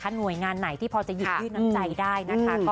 หน่วยงานไหนที่พอจะหยิบยื่นน้ำใจได้นะคะ